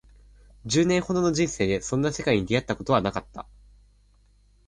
十年ほどの人生でそんな世界に出会ったことはなかった